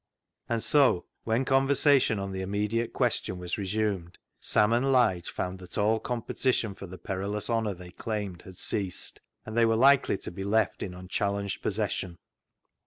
And so, when conversation on the immediate question was resumed, Sam and Lige found that all competition for the perilous honour they claimed had ceased, and they were likely to be left in unchallenged possession.